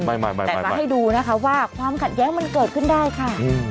แต่มาให้ดูนะคะว่าความขัดแย้งมันเกิดขึ้นได้ค่ะ